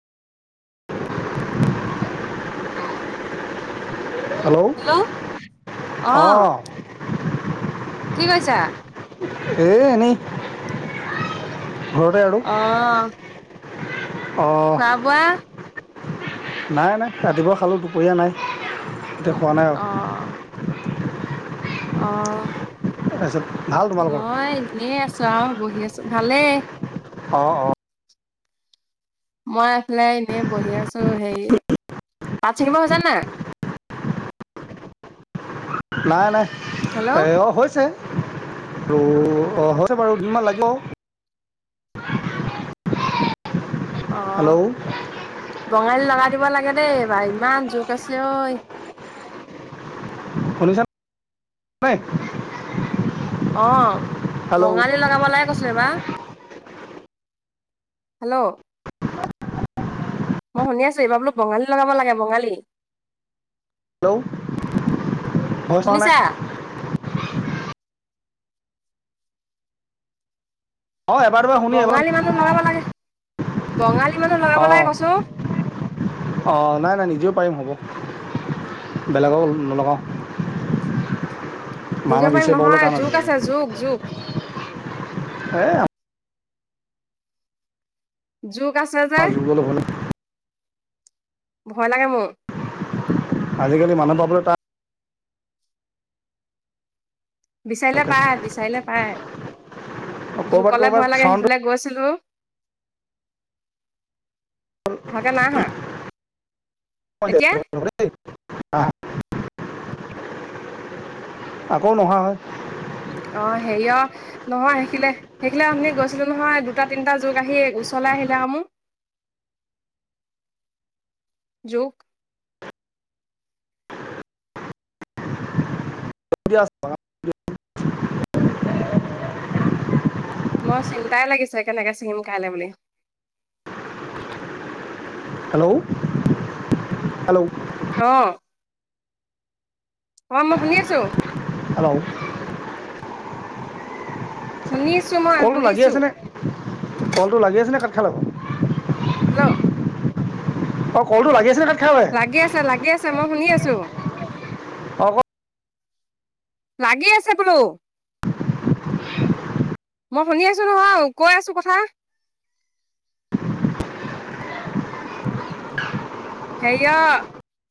Hello, অ, কি কৰিছা? এই, এনেই ঘৰতে আৰু। অ অ, [inaudible] নাই, নাই ৰাতিপুৱা খালোঁ, দুপৰীয়া নাই এতিয়া খোৱা নাই অ আৰু। অ, তাৰপিছত ভাল তোমালোকৰ মই আছো আৰু বহি আছো, ভালে। অ, অ, মই এইফালে এনেই বহি আছো, হেৰি পাত ছিঙিব হৈছে নে নাই। নাই, নাই হেল্ল' অ, হৈছে। ত, অ, হৈছে বাৰু কিমান লাগিব। অ, হেল্ল' বঙালী লগাই দিব লাগে দেই, বাৰু ইমান জোক আছে ঐ। শুনিছা, নাই? অ, হেল্ল' বঙালী লগাব লাগে কৈছিলে বা হেল্ল, মই শুনি আছো, এইবাৰ বঙালী লগাব লাগে, বঙালী। হেল্ল, মই চোৱা নাই। শুনিছা অ, এবাৰ-দুবাৰ বঙালী মানুহ লগাব লাগে, বঙালী মানুহ লগাব লাগে কচু অ, নাই, নাই নিজেও পাৰিম হ'ব। বেলেগক নলগাওঁ। মানুহ নিজৰ পাৰিম বিচাৰি পাবলৈ নহয়, জোক আছে, জোক জোক। এ জোক আছে যে, আমাৰ যুগলৈ হ'ল ভয় লাগে মোৰ। আজিকালি মানুহ পাবলৈ টান। বিচাৰিলে তাকে পায়, বিচাৰিলে পায়। জোক ক'ৰবাত কলে ক'ৰবাত ভয় লাগে, সেইফালে গৈছিলো। ভালকে নাই আহা। এতিয়া [unintelligible] [inaudible] আকৌ নহা হ'ল। অ, হেৰি অ, নহয়, সেখিলে সেখিলা আমি গৈছিলো নহয়, দুটা তিনিটা যুগ আহি ওচৰলৈ আহিলে আৰু মোক জোক [unintelligible] মোৰ চিন্তাই লাগিছে, কেনেকৈ ছিঙিম কাইলৈ বুলি। হেল্ল, হেল্ল, অ, অ, মই শুনি আছ। হেল্ল, শুনি আছো মই কলটো শুনি লাগি আছো আছেনে, কলটো লাগি আছেনে কাট খালা বাৰু? হেল্ল, অ, কলটো লাগি আছ [inaudible] লাগি আছে, লাগি আছে মই শুনি আছোঁ। অঁ লাগি আছে বোলো। মই শুনি আছোঁ নহয়, কৈ আছোঁ কথা। হেৰী অ!